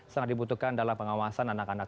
sangat dibutuhkan dalam pengawasan anak anak